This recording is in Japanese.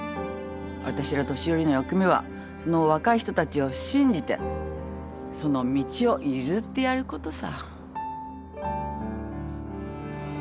あたしら年寄りの役目はその若い人たちを信じてその道を譲ってやることさ。